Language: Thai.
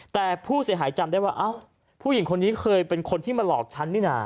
แต่ผู้เสียหายจำได้ว่าเอ้าผู้หญิงคนนี้เคยเป็นคนที่มาหลอกฉันนี่นะ